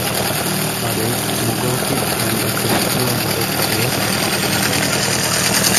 அதை முகெளகிஸ் என்ற கிறிஸ்துவ மதத் தலைவர் ஆட்சி புரிந்து வந்தார்.